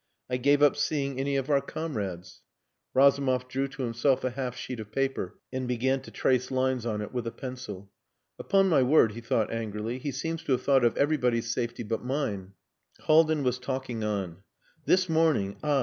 I gave up seeing any of our comrades...." Razumov drew to himself a half sheet of paper and began to trace lines on it with a pencil. "Upon my word," he thought angrily, "he seems to have thought of everybody's safety but mine." Haldin was talking on. "This morning ah!